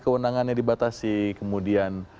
kewenangannya dibatasi kemudian